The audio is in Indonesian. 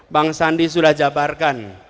bang sandi sudah jabarkan